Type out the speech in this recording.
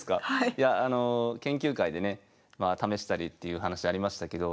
いやあの研究会でね試したりっていう話ありましたけど。